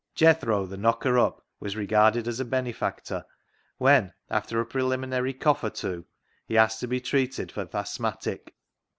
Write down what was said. Jethro, the knocker up, was regarded as a benefactor when, after a preliminary cough or two, he asked to be treated for " th' asthmatic."